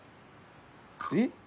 えっ？